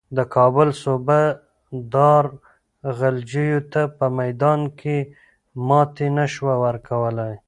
د کابل صوبه دار غلجیو ته په میدان کې ماتې نه شوه ورکولای.